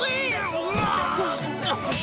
「うわ！」